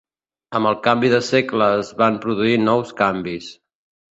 Amb el canvi de segle es van produir nous canvis.